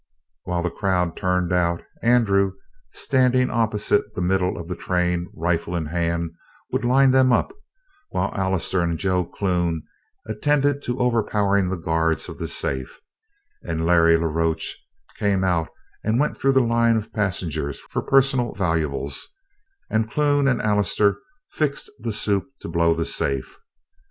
While the crowd turned out, Andrew, standing opposite the middle of the train, rifle in hand, would line them up, while Allister and Joe Clune attended to overpowering the guards of the safe, and Larry la Roche came out and went through the line of passengers for personal valuables, and Clune and Allister fixed the soup to blow the safe.